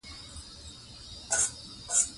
فاریاب د افغانستان د اجتماعي جوړښت برخه ده.